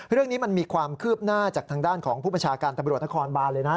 เรื่องนี้มันมีความคืบหน้าจากทางด้านของผู้ประชาการตำรวจนครบานเลยนะ